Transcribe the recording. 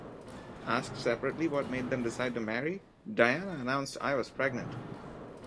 Asked separately what made them decide to marry, Diana announced I was pregnant!